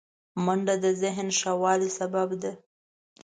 منډه د ذهن ښه والي سبب ده